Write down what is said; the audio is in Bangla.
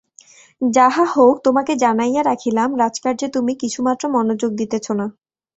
যাহা হউক তোমাকে জানাইয়া রাখিলাম, রাজকার্যে তুমি কিছুমাত্র মনোযোগ দিতেছ না।